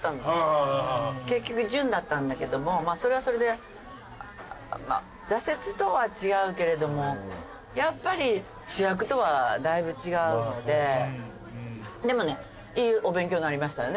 結局準だったんだけどもそれはそれで挫折とは違うけれどもやっぱり主役とはだいぶ違うのででもねいいお勉強になりましたよね。